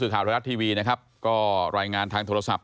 ครับได้ครับคุณครับ